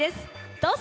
どうぞ。